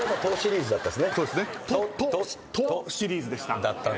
「と」シリーズでした。